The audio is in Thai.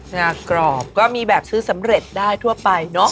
งากรอบก็มีแบบซื้อสำเร็จได้ทั่วไปเนอะ